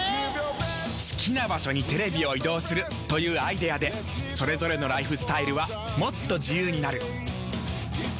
好きな場所にテレビを移動するというアイデアでそれぞれのライフスタイルはもっと自由になる。